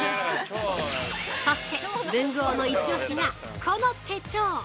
そして、文具王のイチオシがこの手帳！